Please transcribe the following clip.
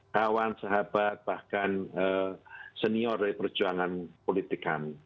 kawan sahabat bahkan senior dari perjuangan politik kami